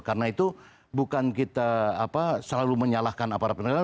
karena itu bukan kita selalu menyalahkan aparat penegak hukum